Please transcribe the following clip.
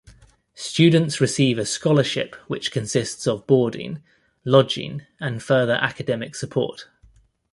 Students receive a scholarship which consists of boarding, lodging and further academic support.